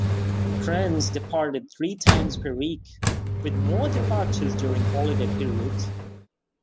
Trains departed three times per week, with more departures during holiday periods.